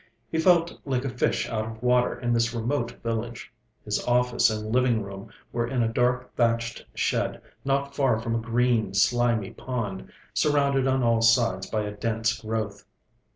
He felt like a fish out of water in this remote village. His office and living room were in a dark thatched shed, not far from a green, slimy pond, surrounded on all sides by a dense growth.